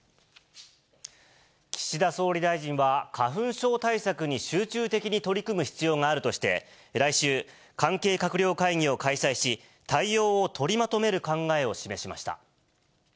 岸田総理大臣は、花粉症対策に集中的に取り組む必要があるとして、来週、関係閣僚会議を開催し、対応を取りまとめる考えを示しました。